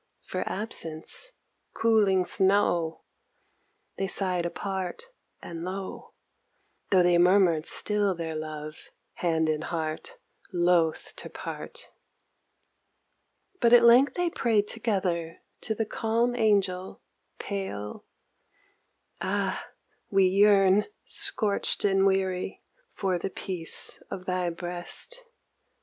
For absence! cooling snow They sighed apart and low, Tho' they murmured still their love, hand and heart loth to part. But at length they prayed together to the calm Angel pale, Ah we yearn, scorched and weary, for the peace of thy breast.